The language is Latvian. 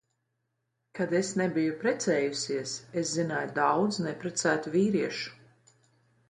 Kad es nebiju precējusies, es zināju daudz neprecētu vīriešu.